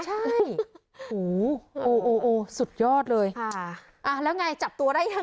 ใช่โอ้โหสุดยอดเลยค่ะอ่าแล้วไงจับตัวได้ยัง